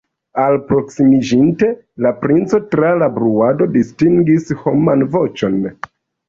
Alproksimiĝinte, la princo tra la bruado distingis homan voĉon.